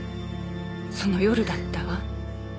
その夜だったわ。